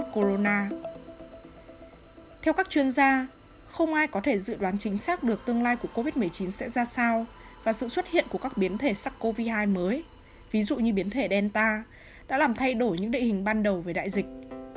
không ai có thể dự đoán chính xác được tương lai của covid một mươi chín sẽ ra sao và sự xuất hiện của các biến thể sars cov hai mới ví dụ như biến thể delta đã làm thay đổi những địa hình ban đầu về đại dịch